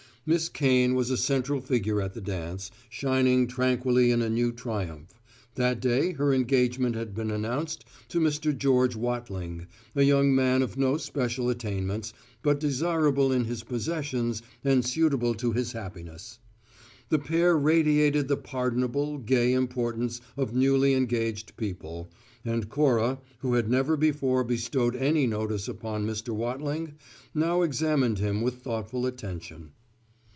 Miss Kane was a central figure at the dance, shining tranquilly in a new triumph: that day her engagement had been announced to Mr. George Wattling, a young man of no special attainments, but desirable in his possessions and suitable to his happiness. The pair radiated the pardonable, gay importance of newly engaged people, and Cora, who had never before bestowed any notice upon Mr. Wattling, now examined him with thoughtful attention.